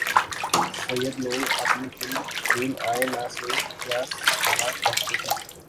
سید نور اپنی فلم چین ائے نہ سے کیا سکھانا چاہتے ہیں